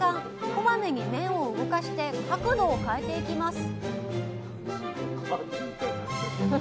こまめに麺を動かして角度を変えていきます